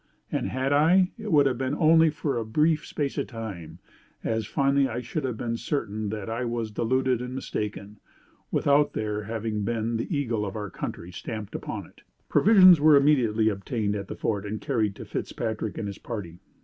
And had I, it would have been only for a brief space of time, as finally I should have been certain that I was deluded and mistaken, without there had been the Eagle of our country stamped upon it." Provisions were immediately obtained at the Fort and carried to Fitzpatrick and his party.